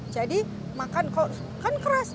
jadi makan kan keras